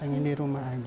tangin di rumah aja